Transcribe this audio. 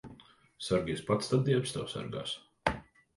Sargies pats, tad dievs tevi sargās.